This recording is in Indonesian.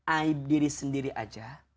aib diri sendiri aja